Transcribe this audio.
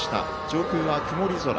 上空は曇り空。